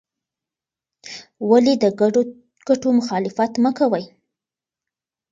ولې د ګډو ګټو مخالفت مه کوې؟